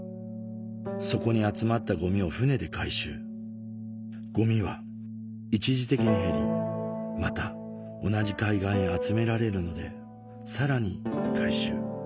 そこに集まったゴミを船で回収ゴミは一時的に減りまた同じ海岸へ集められるのでさらに回収